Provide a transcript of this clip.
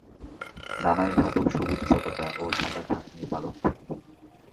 ডানায় ধাতব-সবুজ পতাকা ও সাদা ঢাকনি-পালক থাকে।